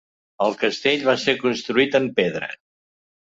El castell va ser construït en pedra.